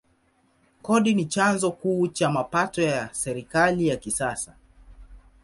Kodi ni chanzo kuu cha mapato kwa serikali ya kisasa.